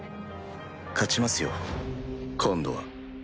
勝ちますよ今度は。